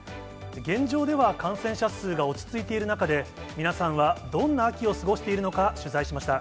現状では感染者数が落ち着いている中で、皆さんはどんな秋を過ごしているのか、取材しました。